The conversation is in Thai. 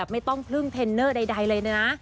ไม่ต้องพึ่งเทรนเนอร์ใดเลยนะ